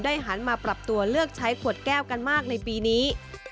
หันมาปรับตัวเลือกใช้ขวดแก้วกันมากในปีนี้